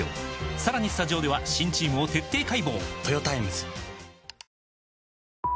さらにスタジオでは新チームを徹底解剖！